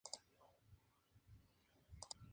Hay una placa conmemorativa a su nombre.